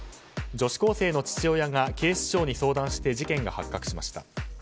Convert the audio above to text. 女子高生の父親が警視庁に相談して事件が発覚しました。